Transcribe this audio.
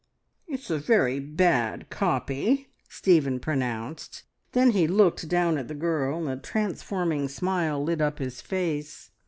"It's a very bad copy!" Stephen pronounced. Then he looked down at the girl, and the transforming smile lit up his face.